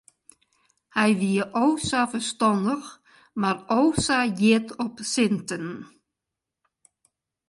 Hy wie o sa ferstannich mar o sa hjit op sinten.